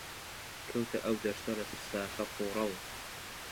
کەوتە ئەو دەشتە لە ترسا تەق و ڕەو